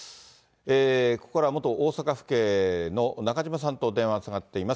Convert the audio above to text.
ここからは元大阪府警の中島さんと電話がつながっています。